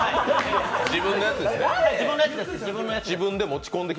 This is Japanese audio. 自分のやつです。